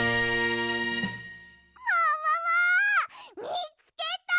みつけた！